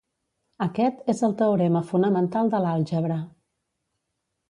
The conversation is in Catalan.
Aquest és el teorema fonamental de l'àlgebra.